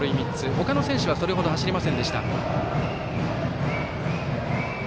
他の選手はそれほど走りませんでした。